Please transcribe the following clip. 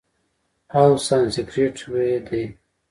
او سانسکریت ویی دی،